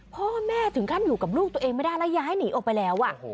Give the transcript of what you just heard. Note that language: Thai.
พ่อแม่ถึงขั้นอยู่กับลูกตัวเองไม่ได้แล้วย้ายหนีออกไปแล้ว